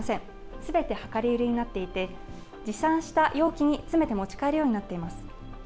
すべて量り売りになっていて、持参した容器に詰めて持ち帰るようになっています。